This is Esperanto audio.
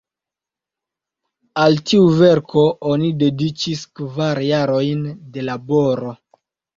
Al tiu verko oni dediĉis kvar jarojn de laboro.